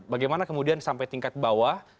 bagaimana kemudian sampai tingkat bawah